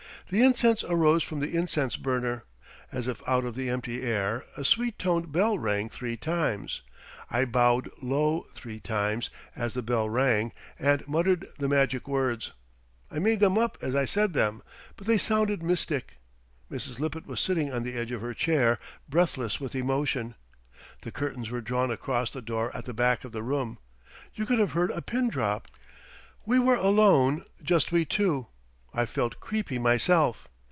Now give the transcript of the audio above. The incense arose from the incense burner. As if out of the empty air, a sweet toned bell rang three times. I bowed low three times as the bell rang and muttered the magic words. I made them up as I said them, but they sounded mystic. Mrs. Lippett was sitting on the edge of her chair, breathless with emotion. The curtains were drawn across the door at the back of the room. You could have heard a pin drop. We were alone, just we two. I felt creepy myself.